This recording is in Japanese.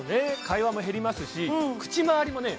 会話も減りますし口まわりもね